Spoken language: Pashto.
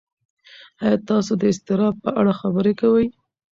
ایا تاسو د اضطراب په اړه خبرې کوئ؟